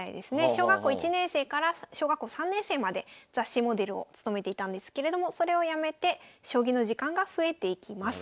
小学校１年生から小学校３年生まで雑誌モデルを務めていたんですけれどもそれをやめて将棋の時間が増えていきます。